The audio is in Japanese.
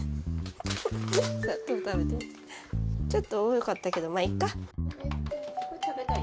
ちょっと多かったけどまいっか。